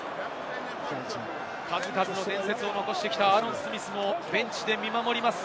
数々の伝説を残してきたアーロン・スミスもベンチで見守ります。